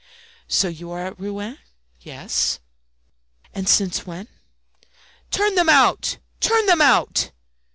"So you are at Rouen?" "Yes." "And since when?" "Turn them out! turn them out!"